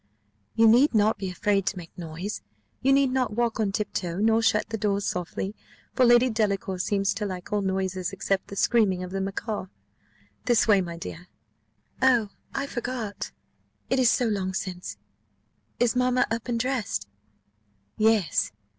"You need not be afraid to make a noise you need not walk on tiptoe, nor shut the doors softly; for Lady Delacour seems to like all noises except the screaming of the macaw. This way, my dear." "Oh, I forgot it is so long since! Is mamma up and dressed?" "Yes.